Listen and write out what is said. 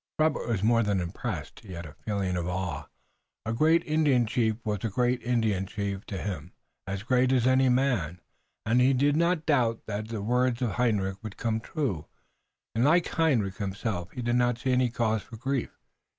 Robert was more than impressed, he had a feeling of awe. A great Indian chief was a great Indian chief to him, as great as any man, and he did not doubt that the words of Hendrik would come true. And like Hendrik himself he did not see any cause for grief.